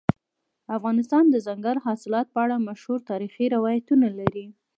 افغانستان د دځنګل حاصلات په اړه مشهور تاریخی روایتونه لري.